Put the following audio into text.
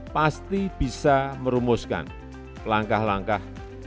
pasti bisa merumuskan langkah langkah